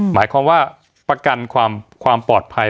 หมายความว่าประกันความปลอดภัย